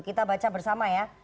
kita baca bersama ya